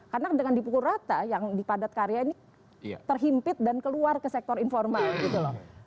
karena dengan dipukul rata yang dipadat karya ini terhimpit dan keluar ke sektor informal gitu loh